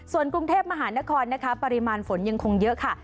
ส่วนกรุงเทพมหานครนะคะปริมาณฝนยังคงเยอะค่ะ